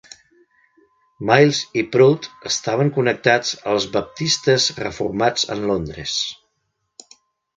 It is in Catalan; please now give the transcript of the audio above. Myles i Proud estaven connectats als Baptistes Reformats en Londres.